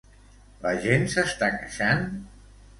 La gent s'està queixant?